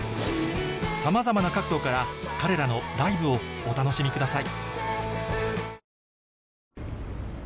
さまざまな角度から彼らのライブをお楽しみください